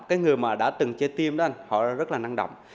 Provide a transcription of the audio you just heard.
cái người mà đã từng chơi tiêm đó họ rất là năng động